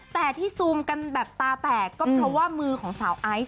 แต่ที่ซูมกันแบบตาแตกก็เพราะว่ามือของสาวไอซ์